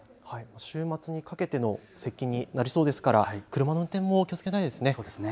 週末にかけての接近になりそうですから車の運転も気をつけたいですね。